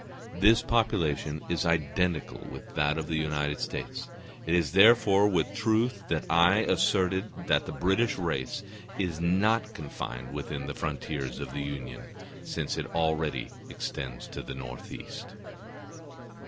This population is identical with that of the United States; it is therefore with truth that I asserted that the British race is not confined within the frontiers of the Union, since it already extends to the northeast.